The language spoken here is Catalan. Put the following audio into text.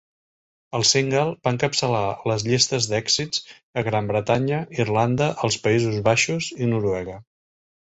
El single va encapçalar les llistes d'èxits a Gran Bretanya, Irlanda, els Països Baixos i Noruega.